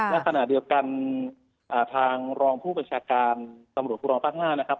ในขณะเดียวกันทางรองผู้บัญชาการสำรวจผู้รองตั้งหน้านะครับ